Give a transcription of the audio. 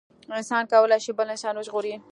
انسان کولي شي بل انسان وژغوري